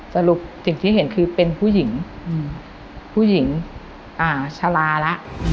สรุปสิ่งที่เห็นคือเป็นผู้หญิงผู้หญิงชะลาแล้ว